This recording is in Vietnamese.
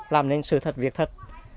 làm nên sự thật việc thật